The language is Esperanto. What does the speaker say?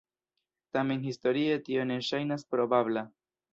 Tamen historie tio ne ŝajnas probabla.